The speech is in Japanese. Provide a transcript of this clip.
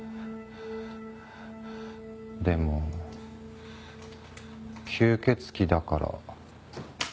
でも吸血鬼だから。